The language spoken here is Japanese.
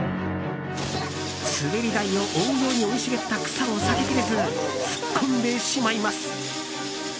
滑り台を覆うように生い茂った草を避けきれず突っ込んでしまいます。